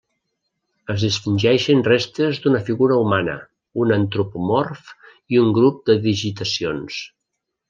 Es distingeixen restes d'una figura humana, un antropomorf i un grup de digitacions.